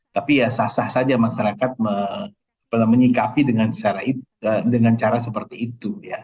tapi ya sah sah saja masyarakat menyikapi dengan cara seperti itu ya